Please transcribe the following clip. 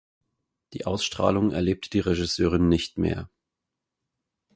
Die Ausstrahlung erlebte die Regisseurin nicht mehr.